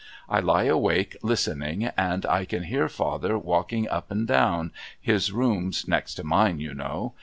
I lie awake listening, and I can hear father walking up and down, his room's next to mine, you know.